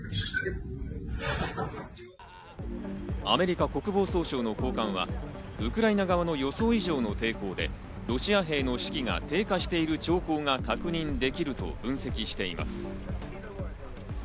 アメリカ国防総省の高官はウクライナ側の予想以上の抵抗でロシア兵の士気が低下している兆候が確認できると分析しています。